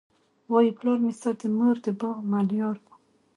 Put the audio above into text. وايي پلار مي ستا د مور د باغ ملیار وو